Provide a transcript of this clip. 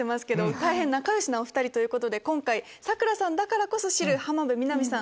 大変仲良しなお２人ということで今回佐倉さんだからこそ知る浜辺美波さん